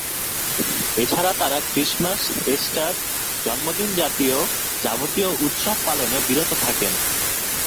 এছাড়া তারা Christmas, Easter, জন্মদিন জাতীয় যাবতীয় উৎসব পালনে বিরত থাকেন।